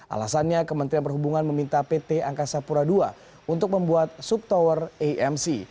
alasannya kementerian perhubungan meminta pt angkasa pura ii untuk membuat subtower amc